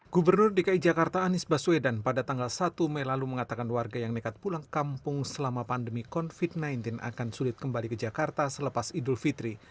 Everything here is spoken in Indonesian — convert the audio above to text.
gubernur dki jakarta anies baswedan pada tanggal satu mei lalu mengatakan warga yang nekat pulang kampung selama pandemi covid sembilan belas akan sulit kembali ke jakarta selepas idul fitri